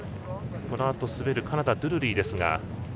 このあと滑るカナダのドゥルリーですが。